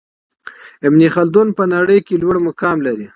ابن خلدون په نړۍ کي لوړ مقام لري.